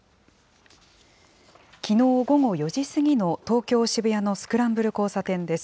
きのう午後４時過ぎの東京・渋谷のスクランブル交差点です。